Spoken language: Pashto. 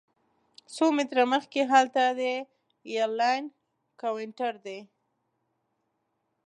څو متره مخکې هلته د ایرلاین کاونټر دی.